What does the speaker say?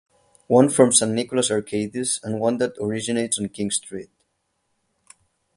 One from St Nicholas Arcades and one that originates on King Street.